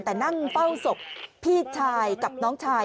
แต่นั่งเฝ้าศพพี่ชายกับน้องชาย